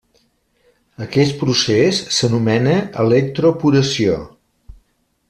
Aquest procés s’anomena electroporació.